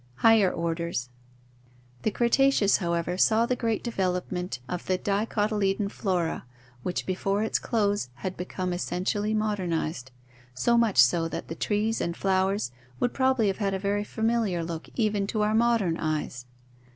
Higher Orders. — The Cretaceous, however, saw the great development of the dicotyledon flora which before its close had be come essentially modernized, so much so that the trees and flowers would probably have had a very familiar look even to our modern eyes.